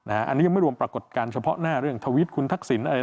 อันนี้ยังไม่รวมปรากฏการณ์เฉพาะหน้าเรื่องทวิตคุณทักษิณอะไร